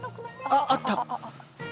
あっあった。